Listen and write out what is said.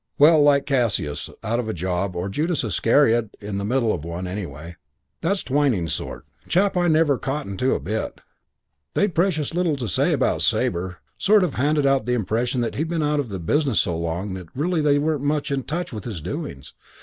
Well, like Cassius out of a job or Judas Iscariot in the middle of one, anyway. That's Twyning's sort. Chap I never cottoned on to a bit. They'd precious little to say about Sabre. Sort of handed out the impression that he'd been out of the business so long that really they weren't much in touch with his doings.